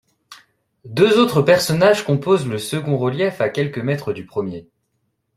Deux autres personnages composent le second relief à quelques mètres du premier.